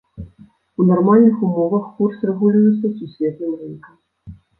У нармальных умовах курс рэгулюецца сусветным рынкам.